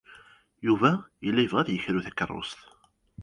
Yuba yella yebɣa ad yekru takeṛṛust.